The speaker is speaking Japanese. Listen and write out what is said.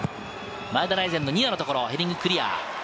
前田大然のところ、ヘディングクリア。